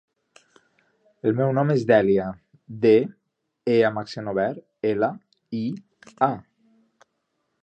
El meu nom és Dèlia: de, e amb accent obert, ela, i, a.